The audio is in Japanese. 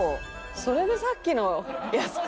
「それでさっきのやつか」